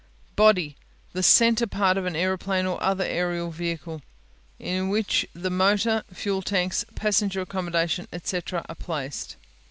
Body The center part of an aeroplane or other aerial vehicle, in which the motor, fuel tanks, passenger accommodation, etc., are placed.